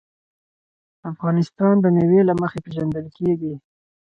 افغانستان د مېوې له مخې پېژندل کېږي.